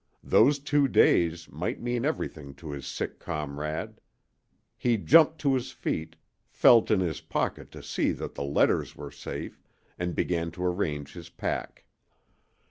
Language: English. Those two days might mean everything to his sick comrade. He jumped to his feet, felt in his pocket to see that the letters were safe, and began to arrange his pack.